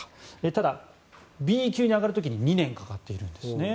ただ、Ｂ級に上がる時に２年かかっているんですね。